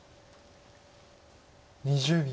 ２０秒。